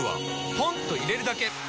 ポンと入れるだけ！